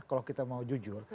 kalau kita mau jujur